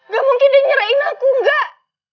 gak mungkin dia nyerahin aku enggak